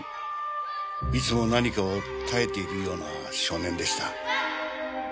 いつも何かを耐えているような少年でした。